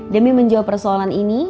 demi menjawab persoalan ini